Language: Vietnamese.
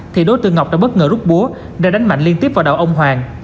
thì đối tượng ngọc đã bất ngờ rút búa đã đánh mạnh liên tiếp vào đào ông hoàng